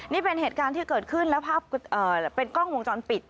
นี่เป็นเหตุการณ์ที่เกิดขึ้นและภาพเป็นกล้องวงจรปิด